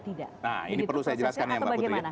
tidak nah ini perlu saya jelaskan ya mbak putri